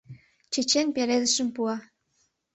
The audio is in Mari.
Чечен пеледышым пуа.